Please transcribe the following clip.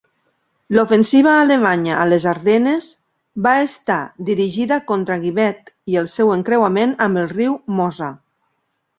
L'ofensiva alemanya a les Ardenes va estar dirigida contra Givet i el seu encreuament amb el riu Mosa.